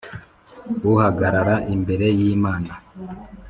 uhagarara imbere y’Imana